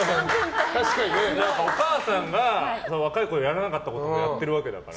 お母さんが若いころにやらなかったことをやってるわけだから。